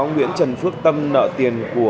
nguyễn trần phước tâm nợ tiền